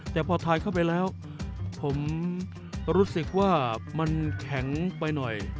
แต่พอทานเข้าไปแล้วผมรู้สึกว่ามันแข็งไปหน่อย